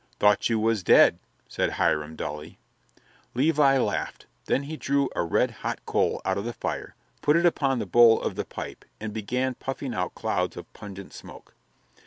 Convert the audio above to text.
"Thought you was dead," said Hiram, dully. Levi laughed, then he drew a red hot coal out of the fire, put it upon the bowl of the pipe and began puffing out clouds of pungent smoke.